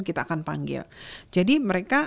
kita akan panggil jadi mereka